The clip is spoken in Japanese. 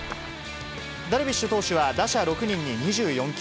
ダルビッシュ投手は打者６人に２４球。